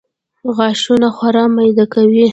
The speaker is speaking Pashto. غاښونه خواړه میده کوي